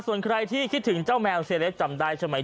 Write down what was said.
ส่วนใครที่คิดถึงเจ้าแมวเซเล็กจำได้ใช่ไหม